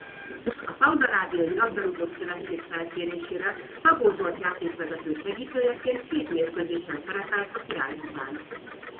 A Szaúd-arábiai labdarúgó-szövetség felkérésére Szabó Zsolt játékvezető segítőjeként két mérkőzésen szerepelt a Király-kupán.